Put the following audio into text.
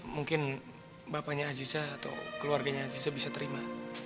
mungkin bapaknya aziza atau keluarganya aziza bisa terima